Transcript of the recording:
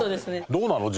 どうなの？